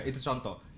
itu contoh aja